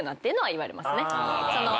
言われますね。